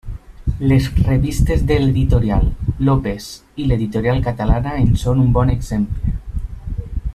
Les revistes de l'Editorial López i l'Editorial Catalana en són un bon exemple.